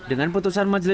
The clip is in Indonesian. dengan putusan majelis